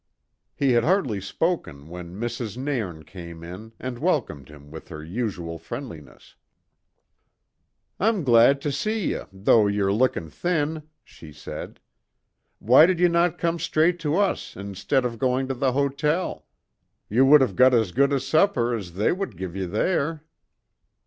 He had hardly spoken when Mrs. Nairn came in and welcomed him with her usual friendliness. "I'm glad to see ye, though ye're looking thin," she said. "Why did ye not come straight to us, instead of going to the hotel? Ye would have got as good a supper as they would give ye there."